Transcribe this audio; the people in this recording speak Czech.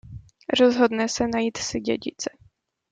Rozhodne se najít si dědice.